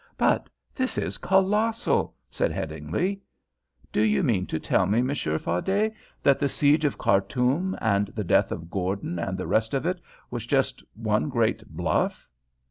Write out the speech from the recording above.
"But this is colossal," said Headingly. "Do you mean to tell me, Monsieur Fardet, that the siege of Khartoum and the death of Gordon and the rest of it was just one great bluff?"